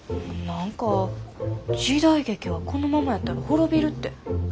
何か時代劇はこのままやったら滅びるって。